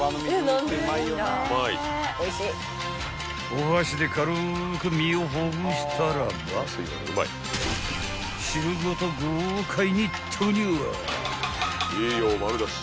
［お箸で軽く身をほぐしたらば豪快に］